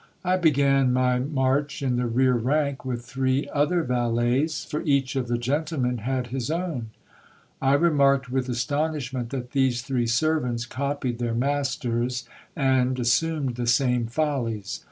I began my march in the rear rank with three other valets ; for each of the gentlemen had his own. I remarked with astonishment that these three servants copied their masters, and assumed the same follies.